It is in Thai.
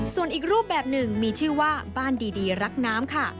ส่วนอีกรูปแบบหนึ่งมีชื่อว่าบ้านดีรักน้ำค่ะ